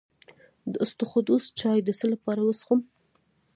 د اسطوخودوس چای د څه لپاره وڅښم؟